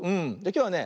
きょうはね